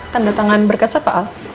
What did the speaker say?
tanda tangan berkas apa al